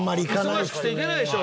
忙しくて行けないでしょ。